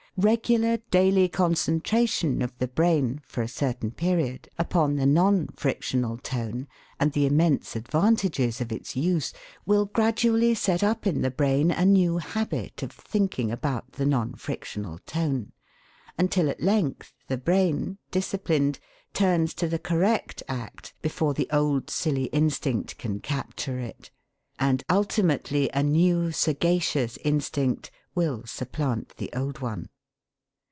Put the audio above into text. Regular daily concentration of the brain, for a certain period, upon the non frictional tone, and the immense advantages of its use, will gradually set up in the brain a new habit of thinking about the non frictional tone; until at length the brain, disciplined, turns to the correct act before the old, silly instinct can capture it; and ultimately a new sagacious instinct will supplant the old one.